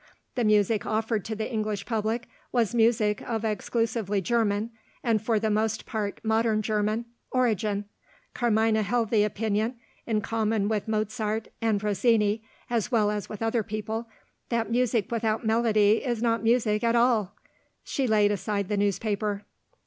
The music offered to the English public was music of exclusively German (and for the most part modern German) origin. Carmina held the opinion in common with Mozart and Rossini, as well as other people that music without melody is not music at all. She laid aside the newspaper.